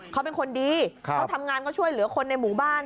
เขาเป็นคนดีเขาทำงานก็ช่วยเหลือคนในหมู่บ้าน